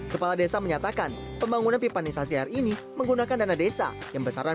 kepala desa menyatakan pembangunan pipanisasi air ini menggunakan dana desa yang besaran